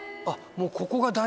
もう。